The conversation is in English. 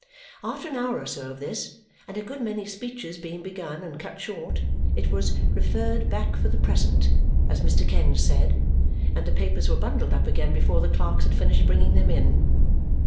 After an hour or so of this, and a good many speeches being begun and cut short, it was "referred back for the present," as Mr. Kenge said, and the papers were bundled up again before the clerks had finished bringing them in.